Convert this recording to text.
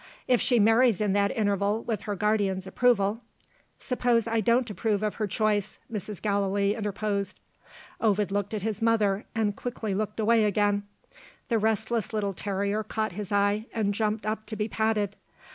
"If she marries in that interval, with her guardian's approval " "Suppose I don't approve of her choice?" Mrs. Gallilee interposed. Ovid looked at his mother and quickly looked away again. The restless little terrier caught his eye, and jumped up to be patted.